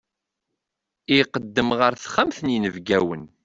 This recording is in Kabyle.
Iqeddem ɣer texxamt n yinebgiwen.